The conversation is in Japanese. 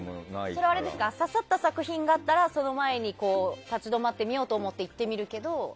それは刺さった作品があったらその前に立ち止まって見ようと思って行ってみるけど？